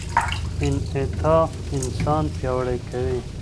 انعطاف انسان پیاوړی کوي.